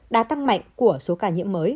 đa tăng mạnh của số ca nhiễm mới